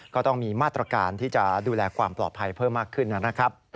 ก็ต้องมีมาตรการที่จะดูแลความปลอดภัยเพิ่มมากขึ้นนะครับ